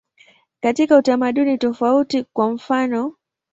Katika utamaduni tofauti, kwa mfanof.